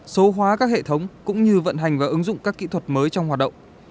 số hóa các hệ thống cũng như vận hành và ứng dụng các kỹ thuật mới trong hoạt động